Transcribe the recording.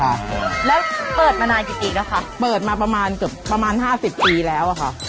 ครับแล้วเปิดมานานกี่ปีแล้วค่ะเปิดมาประมาณเกือบประมาณห้าสิบปีแล้วอะค่ะ